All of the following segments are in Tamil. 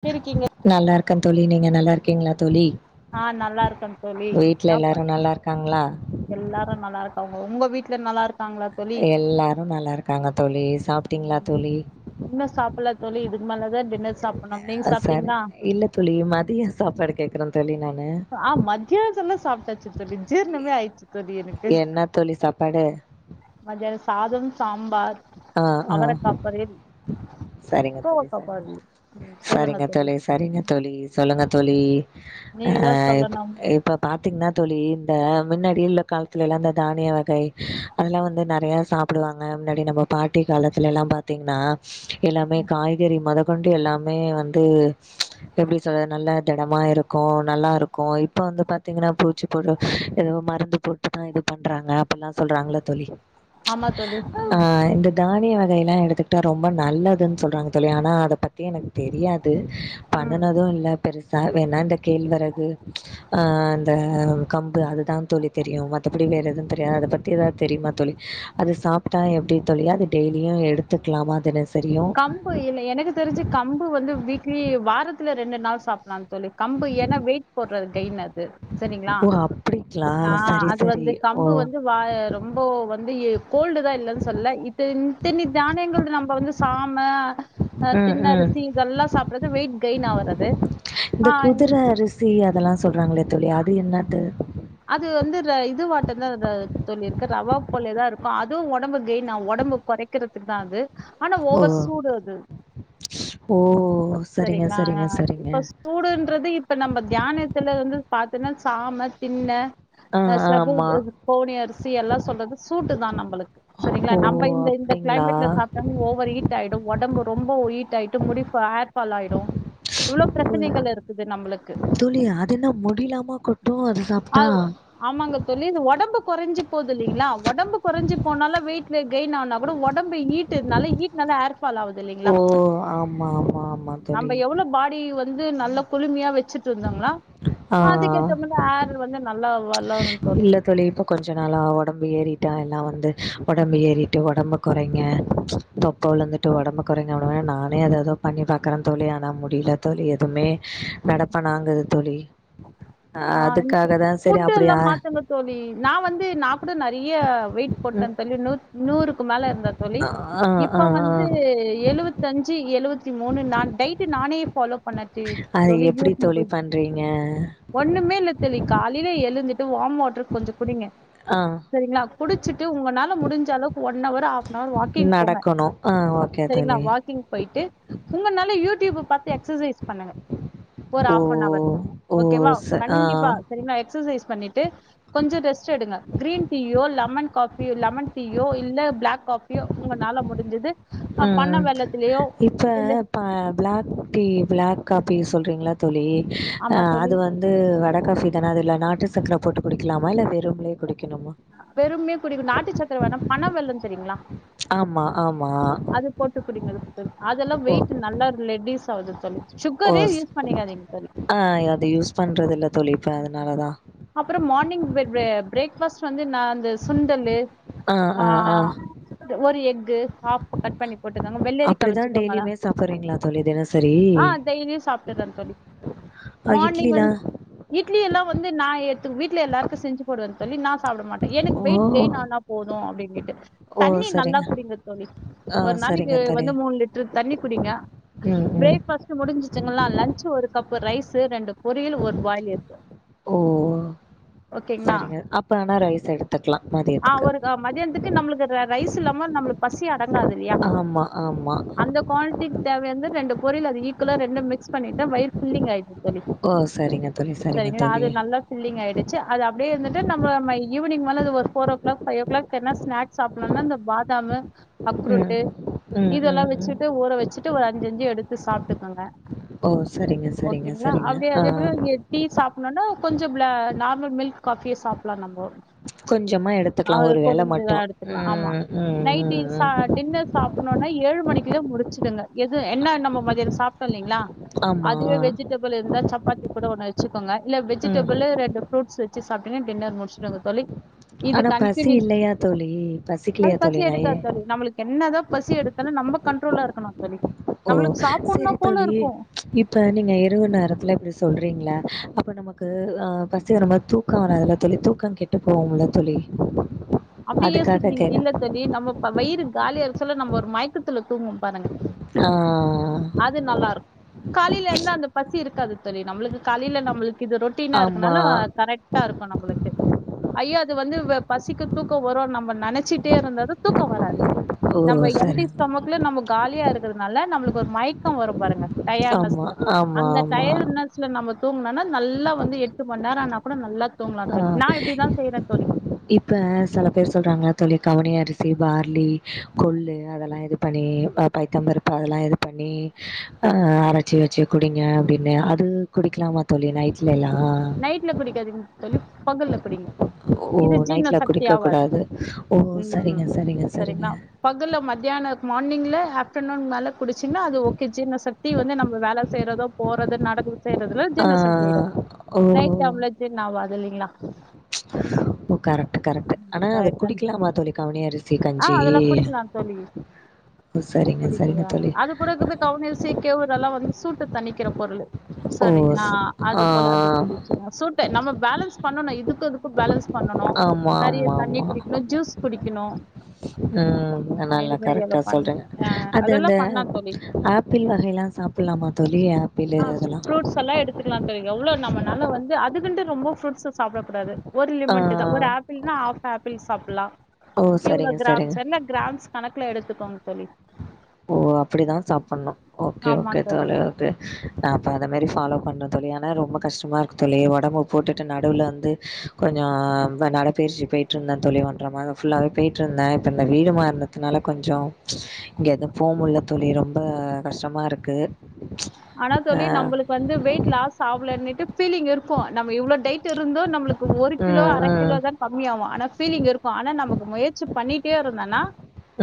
எப்டி இருக்கீங்க நல்லா இருக்கேன் தோழி நீங்க நல்லா இருக். இருக்கிங்களா தோழி. ஆஹ நல்லா இருக்கேன் தோழி வீட்ல நா பன். எல்லாரும் நல்லா இருக்காங்களா எல்லாரும் நல்லா இருக்காங்க உங்க வீட்டுல நல்லா இருக். எல்லாரும் நல்லா இருக்காங்க தோழி சாப்ட்டிங்களா தோழி. இன்னு சாப்பல்ல தோழி இதுக்கு மேலதா டின்னர் சாப்பட்ணு நீங்க சாரு சாப்ட்டீங்களா இல்ல தோழி மதியம் சாப்பாடு கேக்குறேன் தோழி நானு. ஆ மத்திய வச்சதெல்லா சாப்ட்டாச்சு. இப்ப இது ஜுர்நமே ஆயிருச்சு. என்ன தோழி சாப்பாடு. மத்தியான சாதம் சாம்பார். ஆஹ ஆஹ அவரக்கா பொரியல் சரிங்க தோழி கோவக்கா சரிங்க. பொரியல் ம் சொல்லுங்க சரிங்க தோழி சரிங்க தோழி சொல்லுங்க தோழி. அஹ நீங்கதா சொல்லணும் இப்ப பாத்தீங்கின்னா தோழி இந்த. முன்னாடி உள்ள காலத்துல எல்லா அந்த தானிய வகை அதெல்லா வந்து நறைய சாப்பிடுவாங்க முன்னாடி நம்ம. பாட்டி காலத்துல எல்லா பாத்தீங்கின்னா. எல்லாமே காய்கறி மதப். கொண்டு எல்லாமே வந்து ம்ச் எப்படி சொல்றது நல்ல திடமா இருக்கு நல்லா இருக்கு இப்போ வந்து பாத்தீங்கன்னா பூச்சி போட்டு ஏதோ மருந்து போட்டு தான் இது பண்றாங்க அப்படில்லாம் சொல்றாங்கள தோழி. ஆமா தோழி ஆ உம். இந்த தானிய வகையெல்லா எடுத்துக்கிட்டா ரொம்ப நல்லதுன்னு சொல்றாங்க தோழி ஆனா அத பத். த்தே எனக்கு தெரியாது ம் பண்ணுனது இல்ல. பெருசா வேணா இந்த கேழ்வரகு ம்ச் இந்த கம்பு அதுதா தோழி தெரியு மத்தபடி வேறு எதுவு தெரியாது அத பத்தி எதாவது தெரியுமா தோழி. அது சாப்டா எப்படி. அது டெய்லியு எடுத்துக்கலாமா தினேக்ஷ். கம்பு இல்ல எனக்கு தெரிஞ்சு கம்பு வந்து வீக்லி வாரத்துல. இரண்டு நாள் சாப்படலாம். தோழி கம்பு என்ன வெயிட் போடுறது கைனு அது ஓ அப்டி ஆஹ் அது வந்து கம்பு வந்து வா ரொம்ப வந் வந்து கோல்டு தா இல்லன்னு சொல்ல இத்தத்தனி தானியங்கள் நம்ம வந்து சாம ஆஹ் ம் ம். தின்ணரிசி இதெல்லா சாப்டுறது வெயிட் கைனா ஆவரறது இந்த குதுர அரிசி அதெல்லா சொல்றாங்களோ தோழி அது என்னது அது வந்து ர இதுவாட்ட தா தோழி இருக்கு ரவா போலதா இருக்கு அதுவு ஒடம்பு கெயின் ஆவு ஒடம்பு கொறைக்றதுக்கு தா அது ஆனா ஓ ஓவர் சூடு அது ஓ சரிங்க சரிங்களா சரிங்க இப்ப சரிங்க. சூடுன்றது இப்ப நம்ம தியானத்துல வந்து பாத்தினா சாமத் தின்ன ஆ அஹ் ச ஆமா கோனி அரிசி எல்லா சொல்றது சூ தான் நம்பளுக்கு சரிங்களா ஓ நம்ம இந்த இந்த அப்டிங்களா கிளைமேட்ல சாப்பிட்ட ஓவர் ஹீட் ஆயிடு ஒடம்பு ரொம்ப ஈட் ஆயிட்டு முடி ஹேர்பால் ஆயிடு துளி அதன முடிலாம கொட்டும் ஆஹ் ஆமாங்க தோழி இது ஒடம்புக் கொறஞ்சி போது இல்லிங்களா ஒடம்பு கொறஞ்சி போனாலே வெயிட் கெயின் ஆனா கூட உடம்பு ஈட்டுநால நல்ல ஈட்டு அர் ஃபால் ஆவுது இல்லைங்களா ஓ ஆமா ஆமா ஆமா நம்ம தோழி எவ்வளவு பாடி வந்து வந்து நல்ல குழுமையா வச் வெச்சிட்டு இருந்தோங்களா ஆ அதுக்கேத்த ஹார் வந்தன் இல்ல தொழி இப்ப கொஞ்ச நாளா ஒடம்பு ஏறிட்டா எல்லாம் வந்து ஒடம்பு ஏறிட்டு ஒடம்பு கொறைங்க தொப்ப விழுந்துட்டு ஒடம்பு கொறைங்க உடன நானே அத எதோ பண்ணி பாக்குறேன் தொழி ஆனா முடில தோழி எதுவுமே நடப்பனாங்குது தொழி அஹ் அதுக்காக தான் ஃபுட்டு எல்லாம் மாத்துங்க தோழி நான் வந்து நா கூட நெறைய யா வெயிட் போட்ட ம் தோழி நூத் நூறு குமேல இந்த தொழி ஆ ஆ இப்ப ஆ வந்து எழுவதஞ்சி எழுவத்த மூணு நான் டைட் நானே ஃபாலோ பண்ணே அது தோழி எப்படி யூடியூப் தோழி பண்றீங் ஒண்ணுமே இல்ல தோழி காலையில எழுந்துட்டு வாம் வாட்டரு கொஞ்சே குடிங்க ஆ சரிங்களா குடிச்சுட்டு உங்களனால முடிஞ்ச அளவுக்கு ஓட ஒன்னும் அவர் ஆப்னவர் வாக்கிங் போங்க நடக்கணு ஆ ஓகே சரிங்களா தோழி வாக்கிங் போயிட்டு உங்கால யூ யூடிப் பாத்து எக்சசைஸ் பண்ணுங்க ஒரு ஓ ஹாஃப் அன் அவர் ஓ ஓகேவா ச ஆ கண்டிப்பா சரிங்களா எக்ஸச எக்ஸ்சய்ஸ் பண்ணிட்டு கொஞ்சே ரெஸ்ட் எடுங்க கிரீன் டீயோ லெமன் காஃபியோ லெமன் டீயோ இல்ல பிளாக் காஃபியோ உங்கனால முடிஞ்சது அ பன உம் வெல்லத்திலயோ இப்ப இல்ல பிளாக் டீ பிளாக் காபிஸ் சொல்றீங்களா தோழி ஆமா ஆஹ் தோழி அது வந்து வடகபி தானே அது இல்ல நாட்டு சக்கர போட்டு குடிக்கலாமா இல்ல வெறும்னோ குடி பெறுமே குடிக்கும் நாட்டு சக்கர வேணாம் பணம் வெல்ல சரிங்களா ஆமா ஆம் அது போட்டு குடிங்க சிஸ்டர் அதெல்லாம் வெயிட் நல்லா ரெட்டியூஸ் அவுது தோழி சுகரே ஒஹஸ் யூஸ் பண்ணிக்காதீங்க தோழி ஆ அத யூஸ் பண் அப்புறம் மார்னிங் பிரே பிரேக் ஃபர்ஸ்ட் வந்து நா இந்த சுண்டலு ஆ ஒரு எக் கு கப் கட் பண்ணி போட்டுக்கோங்க வெள்ளரிக்காய் அப்டிதா வச்சுக்கோங்களா டெய்லியுமே சாப்புறீங்களா தோழி தினசரி ஆஹ் டெய்லியும் சாப்பிட்டுறேன்னு தோழி ஆ மார்னிங் இட்லிலா வந் இட்லி எல்லா வந்து நான் எத்து வீட்ல எல்லாருக்கும் செஞ்சு போடுவே தோழி நான் சாப்பிட மாட்டேன் எனக்கு வெயிட் ஓ கெயின் ஆனா போதும் அப்டின்னு ஓ தண்ணி நல்லா சரிங்க குடிங்க தோழி ஆ ஒரு நாளைக்கு சரிங்க தோழி வந்து மூணு லிட்டர் தண்ணி குடிங்க ம் ம் பிரேக்பஸ்ட் முடிஞ்சு ங்களா லஞ்ச் ஒரு கப்பு ரைஸ்சு ரெண்டு பொரியல் ஒரு பாயில் எக்கா ஓ ரிங்க அப்ப ஆனா ரைஸ் எடுத்துக்கலாம் ஆஹ் ஒரு மதியானத்துக்கு நம்மளுக்கு ரைஸ் இல்லாம நம்மளுக்கு ப சியா அடங்காது இல்லையா ஆமா ஆமா அந்த கோணத்தில் தேவயானது ரெண்டு பொரியல் அது ஈக்வலா ரெண்டுமிக்ஸ் பண்ணிட்டு வயிர் புல்லிங் ஆயிடும் ஓ சரிங்க தோழி சரிங்க தோழி சு அத அப்படியே வந்துட்டு நம்ம ம ஈவினிங் மேல அது ஒ four o'clock five o'clock என்ன ஸ்னாக் சாப்பிடலானா இந்த பாதாம் ம் அக்ரூட்டு ம் ம் இதெல்லாம் ம் வச்சுட்டு ஊற வச்சுட்டு ஒரு அஞ்சு அஞ்சு எடுத்து சாப்ட்டுக்கோங்க ஓ சரிங்க சரிங்க சரிங்க அதே போல ஆஹ் டீ சாப்பிடணும்னா கொஞ்சம் பில நார்மல் மில்க் காஃபியே சாப்புடலாம் நம்போ கொஞ்சமா எடுத்துக்கலா அவ ஒரு வேள குடுஞ்சதா மட்டு எடுத்துக்கலாம் ஆமா ம் ம் நைட் ம் ம் டின்னர் சாப்புடணும்னா ஏழு மணிக்குள்ள முடிச் சுடுங்க எது என்ன நம்ம மதியம் சாப்ட்டோம் இல்லைங்களா ஆமா அதுவே வெஜிடபிள் இருந்தா சப்பாத்தி கூட ஒண்ணா வச் கோங்க இல்ல ம் வெஜிடபிளு ரெண்டு ஃப்ரூட்ஸ் வச்சி சாப்டுங்க டின்னர் முடிச்சுடுங்க தோழி இது ஆனா பசி கன்டினியூஸ் இல்லையா தோழி அது பசிக்கலையா பசி தோழி எடுத்தா நை தோழி நம்மளுக்கு என்னதா பசி எடுத்தாலும் நம்ம கண்ட்ரோல்லா இருக்கணும் தோழி ஓ நம்மளுக்கு செரி சாப்பிடணும் போல தோழி இருக்கும் இப்ப நீங்க இரவு நேரத்துல இப்டி சொல் றீங்கள அப்போ நமக்கு அ பசிவரும் போது தூக்கம் வராதுல்ல தோழி தூக்கம் கெட்டு போகும்ல தோழி அப்டி அதுக்காக யோசிக்கிறீங்க இல்ல கேட்டேன். தோழி நம்ம வயிறு காலியா இருக்க சொல்ல நம்ம ஒரு மயக் கத்துல தூங்குவோம் பாருங்க ஆ அது நல்லா இருக்கும் காலையில எலுந்தா அந்த பசி இருக்காது செரி நம்மளுக்கு காலையில நம்மளுக்கு இது ரொட்டீனா ஆமா. இருக்கனால கரெக்ட்டா இருக்கும் நம்மளுக்கு ஐய்யோ அது வந்து பசிக்கு தூக்கம் வரும் நம்ம நினைச்சிட்டே இருந்தது தூக்கம் வராது ஓ! நம்ம சரி. எம்டி ஸ்டோமக்ல நம்ம காலியா இருக்குறதுனால நம்மளுக்கு ஒரு மய்க்கம் வரும் பாருங்க ஆமா, டயர்ட்னஸ்ல ஆமா, அந்த ஆமா. டயர்ட்னஸ்ல நம்ம தூங்குனோன்னா நல்லா வந்து எட்டு மணி நேர ஆனா கூட நல்லா தூங்கலாம் ஆ தோழி நான்இப்டி தான் செய்றேன் தோழி இப்ப சில பேர் சொல்றாங்க தோழி கவுனி அரிசி பார்லி கொல்லு அதெல்லாம் இது பண்ணி பைத்தம்பருப்பு அதெல்லாம் இது பண்ணி ஆஹ் அரைச்சி வச்சி குடிங்க அப்டின்னு அது குடிக்கலாமா தோழி நைட் நைட்ல குடிக்காதீங்க தோலி பகல்ல குடிங்க ஓ இது ஜீர்ண நைட்ல சக்தி குடிக்க ஆவாது கூடாது ஓ உம் சரிங்க சரிங்க சரிங்க செரிங்களா பகல்ல மத்தியான மார்னிங் இல ஆப்டர்நுன் மேல குடிச்சீங்கன்னா அது ஓகே ஜீர்ண சக்தி வந்து நம்ம வேல செய்யறதோ போறது நடக் செய்றதுல ஆ ஜீர்ண சக்தி ஆயிடு ஓ நைட் டைம்ல ஜீர்ண ஆவ் துல்லிங்களா ஓ கரெக்ட் கரெக்ட் ஆனா அது குடிக்கலாமா தோலி கவுனி அரிசி ஆஹ் கஞ்சி அதெல்லா குடிக்கலா தோழி ஓ சரிங்க சரிங்க குடிக்கலா தோழி அது கூட இருந்து கவுனி அரிசி கேவுரெல்லா வந்து சூட்ட தண்ணிக்கிற பொருளு ஓ செரிங்களா ஸ் அது ஆ போல அப்டி குடிச்சின்னா சூட்ட நம்ம பேலன்ஸ் பண்ணனு இதுக்கு இது பேலன்ஸ் பண்ணனு ஆமா நெறைய தண்ணி குடிக்கணு ஜூஸ் குடிக்கணு ஆஹ் ஆ இது நல்லா மாரி எல்லா கரெக்டா பண்ணு சொல்றிங்க ஆ அது அதெல்லா அந்த பண்ணலா தோழி ஆப்பிள் வகையல்லா சாப்பில்லாமா தோலி ஆப்பிளு ஆ அதெல்லா ஃப்ரூட்ஸ் எல்லா எடுத்துக்கலா தோழி எவ்ளோ நம்மனால வந்து அதுக்குன்ட்டு ரொம்ப ஃப்ரூட்ஸு சாப்பிட கூடாது ஒரு ஆ லிமிட் தா ஒரு ஆப்பிள்னா ஆப் ஆப்பிள்ஸ் சாப்பலாம் ஓ இவங்க சரிங்க சரிங்க கிராம்ஸ் என்ன கிராம்ஸ் கணக்குல எடுத்து பம் தோழி ஓ அப்படிதான் சாப்புணும் ஓகே ஆமா ஓகே தோழி தலையெழுத்து நான் அப்ப அத மாரி ஃபாலோ பண்ணும் தோழி ஆனா ரொம்ப கஷ்டமா இருக்கு தோழி கொஞ்சம் ஒடம்பு போட்டுட்டு நடுவுல வந்து கொஞ்சம் நடபயிற்சி போய்ட்டுருந்தேன் தோழி ஒன்றர மாதம் ஃபுல்லாவே போய்ட்டுருந்தேன் இப்போ இந்த வீடு மாறுனதுல இருந்ததுனால கொஞ்சம் இங்கே தான் இல்ல தோழி ரொம்ப கஷ்டமா இருக்கு ஆனா ஆ. தோழி நம்மளுக்கு வந்து வெயிட் லாஸ் ஆவலன்னு பீலிங் இருக்கும் நம்ம இவ்வளவு டைட் இருந்தோ நம்பளுக்கு ஒரு கிலோ ம், அர ம். கிலோ தான் கம்மிய ஆவும் ஆனா பீலிங் இருக்கும் ஆனா நமக்கு முயற்சி பண்ணிட்டே இருந்தேனா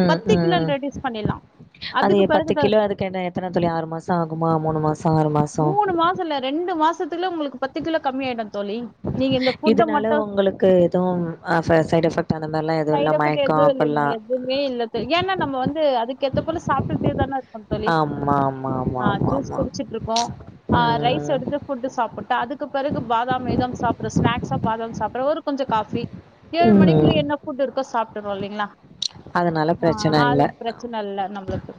ம், பத்து கிலோ ம். ரெடியூஸ் பண்ணிலாம் அது பத்து கிலோ அதுக்கு என்ன எத்தனை தோழி ஆறுமா சாகுமா மூணு மாஸ் மூணு மாசம் இல்ல ரெண்டு மாசத்துல உங்களுக்கு பத்து கிலோ கம்மமி ஆயிடாது இதனால உங்களுக்கு எதுவும் அஃவ சைடுஎபெக்ட் அந்த மாதிரி சைட் எஃபெக்ட் எதுவும் இல்ல எதுவுமே இல்லது ஏன்னா நம்ம வந்து அதுக்கு ஏத்த போல சாப்பிட்டே தானே ஆம் தோலி ஆமா ஆமா ஆமா ஆஹ் ஆமா ஜூஸ் ஆமா குடிச்சுற்று இருக்கோம் ஆஹ ரைஸ் ம் எடுத்து ஃபுட்டு சாப்பிட்டு அதுக்கு பிறகு பாதாம் இதாம் சாப்பிடு ஸ்நாக்ஸா பாதாம் சாப்படுறே ஒரு கொஞ்ச காபி ஏழு மணிக்குள்ள ம் என்ன சாப்டுறோம் இல்லைலீங்களா அதனால பிரச்சனை இல்ல இல்ல நம்மளுக்கு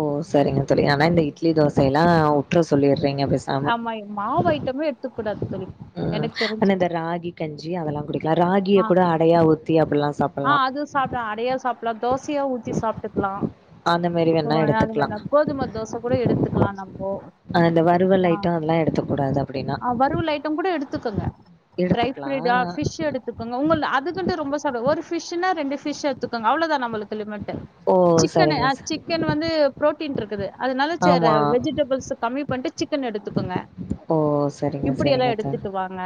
ஓ சரிங்க ம், தோலி ஆனா இந்த இட்லி தோசை தேங்காய் உற்ற சொல்லிர் வைங்க பேசாம ஆமா மாவு ஐட்டமே எடுத்துக்க கூடாது தோழி உம் எனக்கு ஆன தெரிஞ்சு இந்த ராகி கஞ்சி அதெல்லாம் குடிக்கலாம் ராகியை கூட அடையா ஊத்தி அப்படில்லாம் ஆஹ் அது சாப்டு அடையா நாம் தோசையா ஊற்றி சாப்பிட்டுக்கலாம் அந்த மாரி வேணா ஷ் எடுத்துக்கலா அதுவேண்டம் கோதுமை தோசை கூட எடுத்துக்கலாம் நம்பே அந்த வறுவல் ஹம் ஐட்டோ அதெல்லா எடுத்துக்க கூடாது அப்டின்னா வறுவல் ஐட்டம் கூட எடுத்துக்கோங்க ட்ரை எடுத்துக்கலா ஃபைடா ஸ்பீச் எடுத்துக்கோ உங்கள்ளா அதுக்கின்ட்டு ரொம்ப சாப்டா கூடாது ஒரு ஃபிஷ்னா ரெண்டு ஃபிஷ் எடுத்துக்குங்க அவ்ளோ தான் நம்மளுக்கு சொல்ல மாட்டேன் ஓ சிக்கன்னு சரிங்க அ சார் சிக்கன் வந்து புரோட் டீன் இருக்குது அதனால சேர்ர ஆமா வெஜிடேபிள்ஸ் கம்மி வந்து சிக்கன் எடுத்துக்கோங்க ஓ சரிங்க இப்டி எல்லா சரிங்க தோலி எடுத்துட்டு வாங்க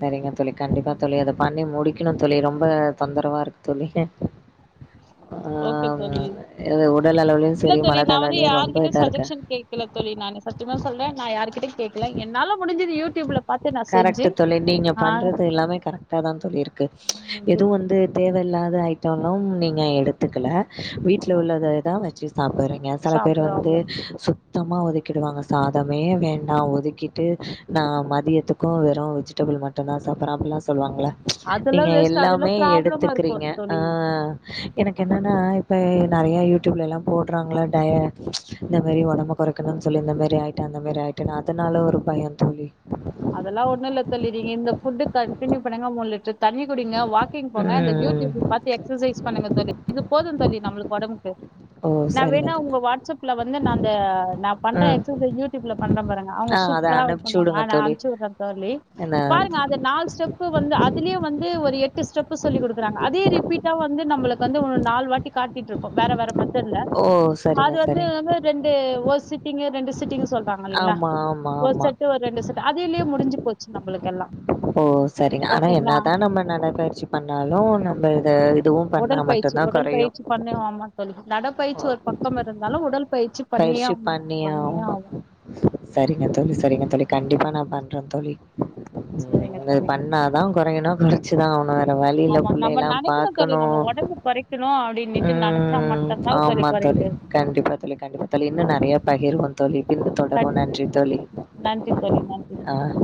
சரிங்க தோலி கண்டிப்பா தோலி அத பண்ணி முடிக் கணும் தோலி ரொம்ப தொந்தரவா இருக்கு தோலி ஓகே தோலி அளவுலயும் இல்ல சரி தோலி நான் வந்து மனதளவுலயும் ரொம்ப யாருகிட்ட இதா இருக்கே சஜஷன் கேக்கல தோலி நானு சத்தியமா சொல்றன் நான் யாருகிட்டையும் கேக்கள என்னால முடிஞ்சது யூ டியூப்ல கரெக்ட் தோலி நீங்க பண்றது எல்லாமே கரெக்டா தான் தோலி இருக்கு இது எதுவும் வந்து தேவையில் ல ஐட்டம்லாம் நீங்க எடுத்துக்கல வீட்டுல ஆமா உள்ளததான் வச்சு சாப்பறீங்க சில பேர் சாப்புட்றோ வந்து அவ்ளோ சுப் சுத்தமா ஒதுக்கிடுவாங்க சாதமே வேண்டாம் ஒதுக்கிட்டு நான் மதியத் கோம் வெறும் வெஜிடேபிள் மட்டும் தான் சாப்றேன் அப்படி எல்லாம் சொல்வாங்கள அதெல்லா நீங்க வேஸ்ட் அதெல்லா எல்லாமே ப்ராப்ளமா இருக்கு எடுத்துக்கீறீங்க தோழி ஆஹ எனக்கு என்னன்னா இப்போ நிறையா யூடியூப்ல எல்லாம் போடுறாங்கள டய இந்த மாரி உடம்பு குறைக்கணும்ணு சொல்லி இந்த மாரி ஆயிட்டன் அந்த மாரி ஆயிட்டன் அதனால ஒரு பயம் தோலி அதெல்லாம் ஒண்ணு இல்ல தோலி நீங்க இந்த ஃபுட்டு கண்டியூ பண்ணுங்க மூணு லிட்டரு தண்ணி குடிங்க வாக்கிங் போங்க இந்த ம் யூடியூப்பு பாத்து எக்சசைஸ் பண்ணுங்க தோலி இது போது தோலி நம்மளுக்கு உடம்புக்கு ஓ நா சரிங்க வேணா தோழி உங்க வாட்ஸ்ப்ல வந்து நா அந்த நா பண்ற ம் எக்சசைஸ் யூடியூப்ல பண் சிதம்பரங்க அவுங்க ஆ அத சூப்பரா ஓர்க் அனுப்ச்சு பண்ணுவாங்க விடுங்க ஆனா தோழி தோலி என்ன பாருங்க அது நாலு ஸ்டெப் வந்து அதுலயே வந்து ஒரு எட் டு ஸ்டெப் சொல்லி குடுக்குறாங்க அதே ரிப்பீட்டா வந்து நம்மளுக்கு வந்து ஒண்ணு நால் வாட்டி காட்டிட்ருக்கோ வேற-வேற மா தில்ல ஓ அது சரிங்க சரிங்க வந்து-வந்து ரெண்டு ஒரு சிட்டிங்கு ரெண்டு சிட்டிங் சொல்றாங்க இல்லங்கீளா ஆமா ஆமா ஒரு ஆமா செட்டு ஒரு ரெண்டு செட் கீலே முடிஞ்சி போச்சி நம்மளுக்கெல்லா ஓ செரிங்க ஆனா என்னாதா நம்ம நடைபயிற்சி பண்ணாலு நம்ம இத-இதுவும் உடல் பயிற்சி-உடல் பயிற்சி பண்ணுவாமா தோலி ஓ நடப்பயிற்சி ஒரு பக்கம் இருந்தாலு பயிற்சி பண்ணியா ஆகணும் சரிங்க தோலி சரிங்க தோலி கண்டிப்பா நா பண்ற தோலி சரிங்க உம் இது தோழி பண்ணாதா கொறைகினு குலிச்சிதா ஆவனு வேற இந்த வலியில ஆமா நம்ம புள்ளையெல்லா நினைக்கணும் தோழி பாக்கணு நம்ம உடம்பு குறைக்கணும் அப்படின்னுட்டு நினைச்சா உம் மட்டும்தான் தோழி ஆமா தோலி குறையுது கண்டிப்பா தோலி-கண்டிப்பா தோலி இன்னு நெறைய ம் பகிருவோ தோலி பின் தொடருவோ கண்டி நன்றி தோலி நன்றி தோழி நன்றி ஆஹ்